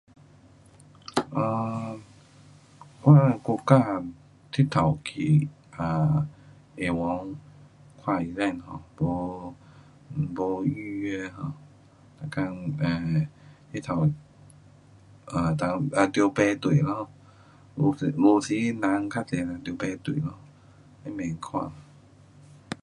um 我国家直透去医院看医生 um。没，没预约 um，每天 um 直透看就要排队咯。有时，有时人较多就排队咯。慢慢看。